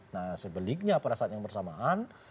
nah sebaliknya pada saat yang bersamaan